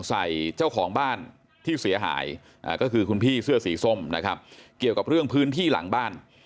ใส่เจ้าของบ้านที่เสียหายก็คือคุณพี่เสื้อสีส้มนะครับเกี่ยวกับเรื่องพื้นที่หลังบ้าน